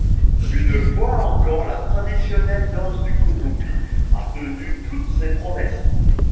Une fois encore la traditionnelle danse du Kouroubi a tenu toutes ses promesses.